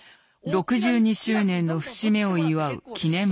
６２周年の節目を祝う記念番組。